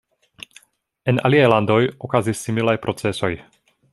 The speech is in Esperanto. En aliaj landoj okazis similaj procesoj.